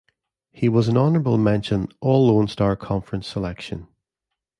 He was an Honorable Mention All Lone Star Conference Selection.